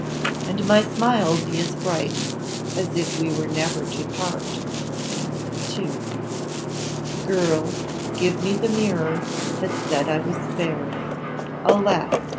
And my smile be as bright, As if we were never to part. II. Girl! give me the mirror That said I was fair; Alas!